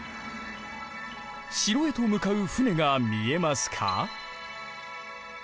城へと向かう船が見えますか？